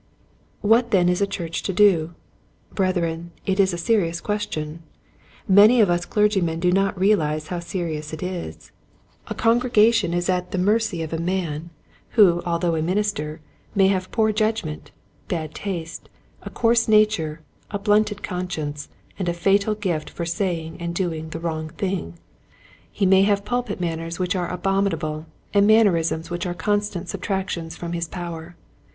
What then is a church to do } Breth ren, it is a serious question. Many of us clergymen do not realize how serious it is. A congregation is at the mercy of a man, A Mirror for Ministers. 15 who although a minister, may have poor judgment, bad taste, a coarse nature, a blunted conscience, and a fatal gift for saying and doing the wrong thing. He may have pulpit manners which are abomi nable and mannerisms which are constant subtractions from his power.